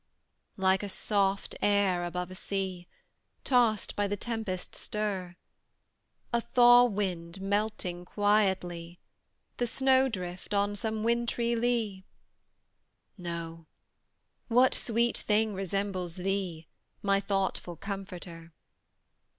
Like a soft, air above a sea, Tossed by the tempest's stir; A thaw wind, melting quietly The snow drift on some wintry lea; No: what sweet thing resembles thee, My thoughtful Comforter?